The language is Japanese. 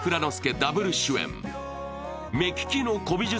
ダブル主演。